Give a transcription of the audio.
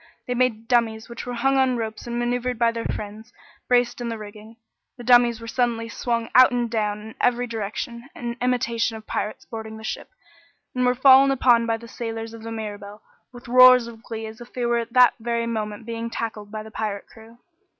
They made dummies which were hung on ropes and maneuvered by their friends, braced in the rigging. The dummies were suddenly swung out and down in every direction, in imitation of pirates boarding the ship, and were fallen upon by the sailors of the Mirabelle with roars of glee as if they were at that very moment being tackled by the pirate crew.